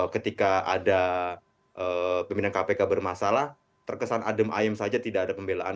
ketika ada pimpinan kpk bermasalah terkesan adem ayem saja tidak ada pembelaan